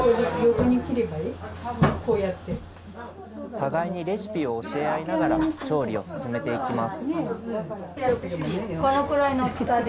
互いにレシピを教えあいながら調理を進めていきます。